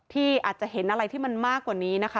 ที่อาจจะเห็นอะไรที่มันมากกว่านี้นะคะ